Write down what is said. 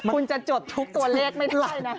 คุณจะจบทุกตัวเลขไม่ได้นะ